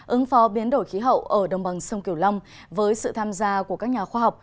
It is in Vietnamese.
ứng phó biến đổi khí hậu ở đồng bằng sông kiều long với sự tham gia của các nhà khoa học